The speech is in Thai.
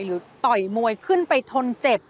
ต่อยมวยขึ้นไปทนเจ็บ